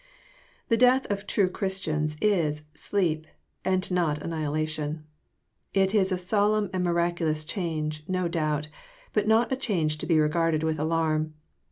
The death of true Christians is '^ sleep," and not annihi« lation. It is a solemn and miraculous change, no doulrt, but not a change to be regarded with alarm.